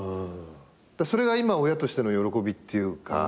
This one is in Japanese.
それが今親としての喜びっていうか。